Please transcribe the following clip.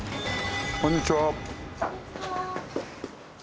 こんにちは。